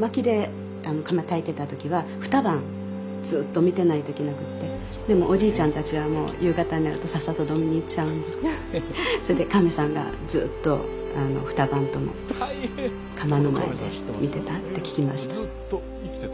まきで窯たいてた時はふた晩ずっと見てないといけなくってでもおじいちゃんたちはもう夕方になるとさっさと飲みに行っちゃうんでそれでかめさんがずっとふた晩とも窯の前で見てたって聞きました。